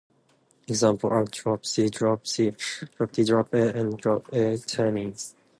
Examples are Drop C, Drop C, Drop B, Drop A, and Drop A tunings.